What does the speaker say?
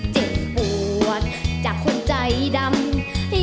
เจ็บปวดจากคนใจดำ